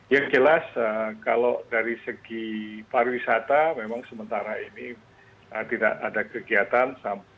yang jelas kalau dari segi pariwisata memang sementara ini tidak ada kegiatan